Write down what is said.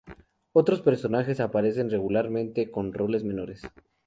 Otros personajes aparecen regularmente con roles menores.